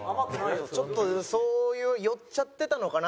ちょっとそういう酔っちゃってたのかなって。